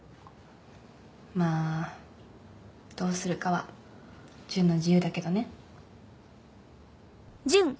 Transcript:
まあどうするかは純の自由だけどね。